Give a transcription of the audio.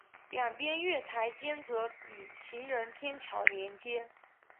两边月台间则以行人天桥连接。